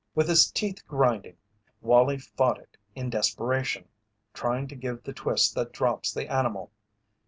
With his teeth grinding, Wallie fought it in desperation, trying to give the twist that drops the animal.